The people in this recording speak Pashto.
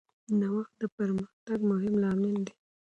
نوښت د پرمختګ مهم لامل دی.